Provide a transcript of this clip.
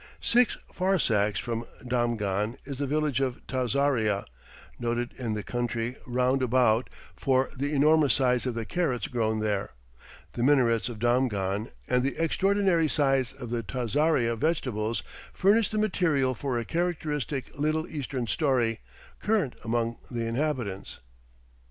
Six farsakhs from Damghan is the village of Tazaria, noted in the country round about for the enormous size of the carrots grown there; the minarets of Damghan and the extraordinary size of the Tazaria vegetables furnish the material for a characteristic little Eastern story, current among the inhabitants.